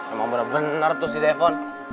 emang bener bener tuh si depon